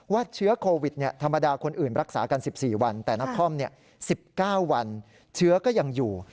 เชื้อโควิดธรรมดาคนอื่นรักษากัน๑๔วันแต่นคร๑๙วันเชื้อก็ยังอยู่